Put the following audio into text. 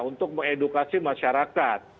untuk mengedukasi masyarakat